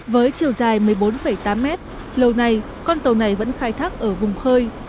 với chiều dài một mươi bốn tám mét lâu nay con tàu này vẫn khai thác ở vùng khơi